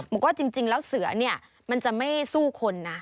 บอกว่าจริงแล้วเสือเนี่ยมันจะไม่สู้คนนะ